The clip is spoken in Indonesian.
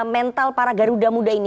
mental para garuda muda ini